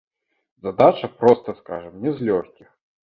Задача, проста скажам, не з лёгкіх.